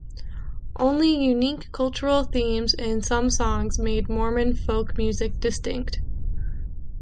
Only unique cultural themes in some songs made Mormon folk music distinct.